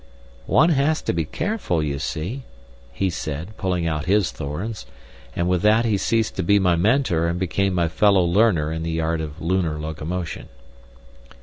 "One has to be careful, you see," he said, pulling out his thorns, and with that he ceased to be my mentor and became my fellow learner in the art of lunar locomotion.